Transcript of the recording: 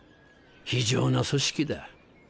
非情な組織だ。